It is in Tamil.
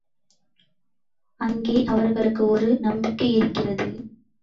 அங்கே அவர்களுக்கு ஒரு நம்பிக்கை இருக்கிறது.